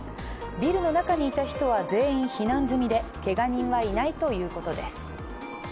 ビルの中にいた人は全員避難済みでけが人はいないということです。